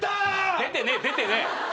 出てねえ出てねえ。